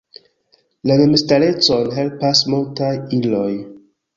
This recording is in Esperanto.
La memstarecon helpas multaj iloj.